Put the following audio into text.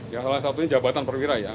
ya salah satunya jabatan perwira ya